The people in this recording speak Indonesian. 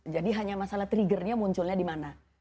jadi hanya masalah trigger nya munculnya di mana